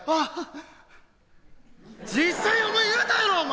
実際やお前言うたろお前！